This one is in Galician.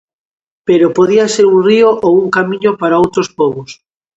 Pero podía ser un río ou un camiño para outros pobos.